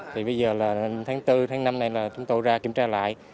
thì bây giờ là tháng bốn tháng năm này là chúng tôi ra kiểm tra lại